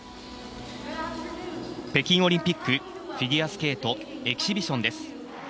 北京オリンピック、フィギュアスケートエキシビションです。